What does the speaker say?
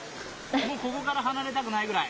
もうここから離れたくないぐらい。